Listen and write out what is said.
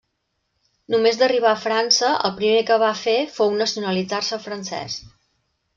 Només arribar a França, el primer que va fer fou nacionalitzar-se francès.